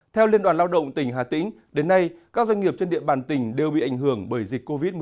theo liên đoàn lao động tỉnh hà tĩnh đến nay các doanh nghiệp trên địa bàn tỉnh đều bị ảnh hưởng bởi dịch covid một mươi chín